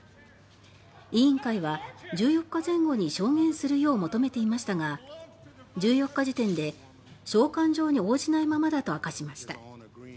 委員会は１４日前後に証言するよう求めていましたが１４日時点で「召喚状に応じないままだ」と明かしました。